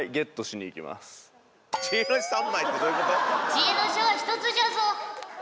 知恵の書は１つじゃぞ！